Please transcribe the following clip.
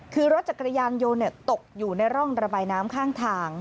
คือรถจักรยานยนต์ตกอยู่ในร่องระบายน้ำข้างทาง